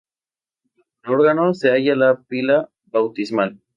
Bajo el órgano se halla la pila bautismal.